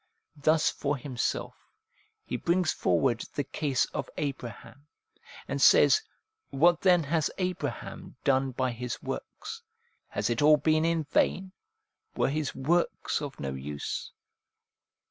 ' Thus for himself he brings forward the case of Abraham, and says, ' What then has Abraham done by his works ? Has it all been in vain ? Were his works of no use